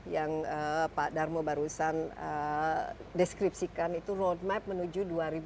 yang pak darmobarusan deskripsikan itu road map menuju dua ribu enam puluh